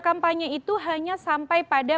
kampanye itu hanya sampai pada